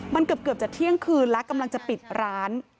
มันเกือบจะเที่ยงคืนแล้วกำลังจะปิดร้าน